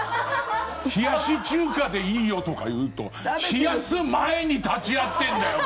冷やし中華でいいよとか言うと冷やす前に立ち会ってんだよ